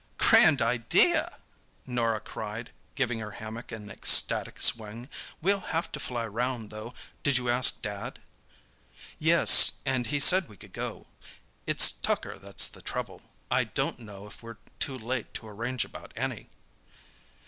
"Grand idea!" Norah cried, giving her hammock an ecstatic swing. "We'll have to fly round, though. Did you ask Dad?" "Yes, and he said we could go. It's tucker that's the trouble. I don't know if we're too late to arrange about any."